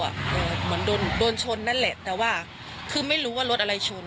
เหมือนโดนชนนั่นแหละแต่ว่าคือไม่รู้ว่ารถอะไรชน